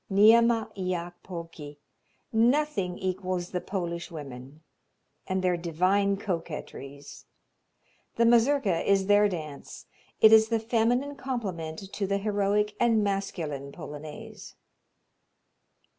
Niema iak Polki "nothing equals the Polish women" and their "divine coquetries;" the Mazurka is their dance it is the feminine complement to the heroic and masculine Polonaise.